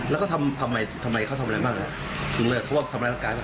แล้วก็ทำอะไรบ้างเขาทำร้ายรักกายบ้าง